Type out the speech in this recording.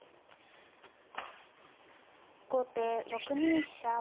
後手６二飛車。